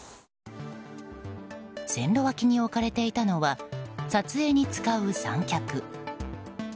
線路脇に置かれていたのは撮影に使う三脚。